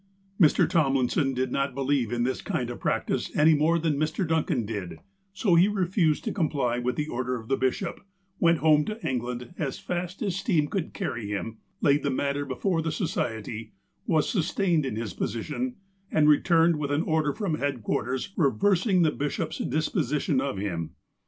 256 THE APOSTLE OF ALASKA Mr. Tomlinson did not believe in this kind of practice any more than Mr. Duncan did, so he refused to comply with the order of the bishop, went home to England, aa fast as steam could carry him, laid the matter before the Society, was sustained in his position, and returned with an order from headquarters reversing the bishop's dis position of him.